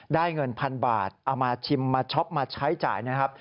ได้เงินพันบาทเอามาชิมมาช็อปมาใช้จ่ายนะครับ